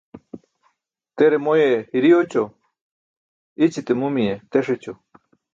Tere moye hiri oćo, i̇ćite mumiye teṣ ećo.